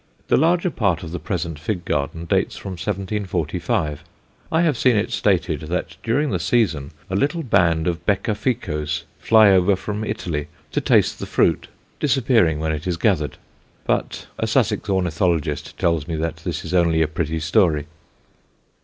The larger part of the present fig garden dates from 1745. I have seen it stated that during the season a little band of becca ficos fly over from Italy to taste the fruit, disappearing when it is gathered; but a Sussex ornithologist tells me that this is only a pretty story.